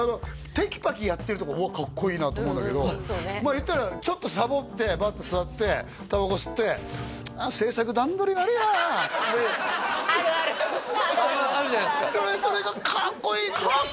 テキパキやってるとこはうわっかっこいいなと思うんだけどそうねまあ言ったらちょっとサボってバッと座ってタバコ吸ってあるあるあるじゃないですかそれがかっこいい？